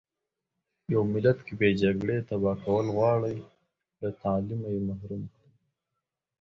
يو ملت که بې له جګړې تبا کول غواړٸ له تعليمه يې محروم .